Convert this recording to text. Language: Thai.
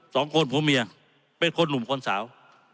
สองคนผัวเมียเป็นคนหนุ่มคนสาว